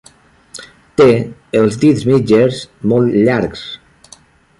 Té els dits mitgers molt llargs.